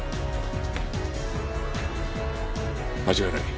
間違いない。